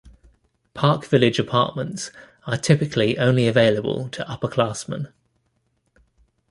Park Village apartments are typically only available to upperclassmen.